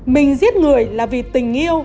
mình giết người là vì tình yêu